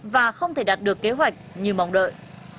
và không thể đạt được kế hoạch như mong đợi